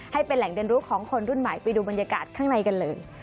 ให้เป็นแหล่งเรียนรู้ของคนรุ่นใหม่ไปดูบรรยากาศข้างในกันเลย